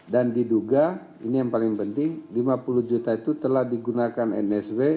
dan diduga ini yang paling penting lima puluh juta itu telah digunakan nsw